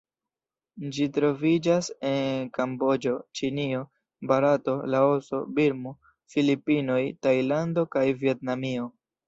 Ĝi troviĝas en Kamboĝo, Ĉinio, Barato, Laoso, Birmo, Filipinoj, Tajlando kaj Vjetnamio.